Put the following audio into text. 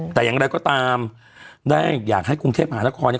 แต่อย่างไรก็ตามได้อยากให้กรุงเทพหานครเนี่ย